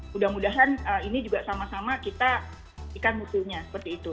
mudah mudahan ini juga sama sama kita ikan musuhnya seperti itu